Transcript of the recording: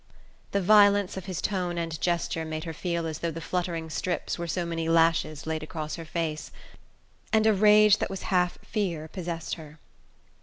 The violence of his tone and gesture made her feel as though the fluttering strips were so many lashes laid across her face, and a rage that was half fear possessed her.